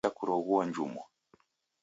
Nicha kuroghua njumwa.